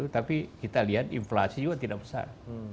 tapi kita lihat inflasi juga tidak besar